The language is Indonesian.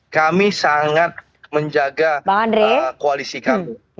kami sangat menjaga koalisi kami